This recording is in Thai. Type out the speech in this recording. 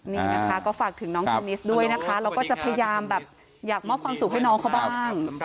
นี่นะคะก็ฝากถึงน้องเทนนิสด้วยนะคะแล้วก็จะพยายามแบบอยากมอบความสุขให้น้องเขาบ้าง